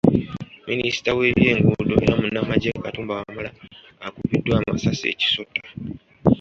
Minisita w’ebyenguudo era munnamagye Katumba Wamala akubiddwa amasasi e Kisota .